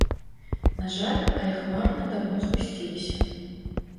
На жаль, але хмары над мной згусціліся.